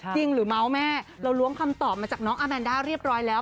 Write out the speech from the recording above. จริงหรือเมาส์แม่เราล้วงคำตอบมาจากน้องอาแมนด้าเรียบร้อยแล้ว